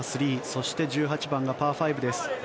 そして１８番がパー５です。